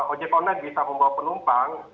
ojek online bisa membawa penumpang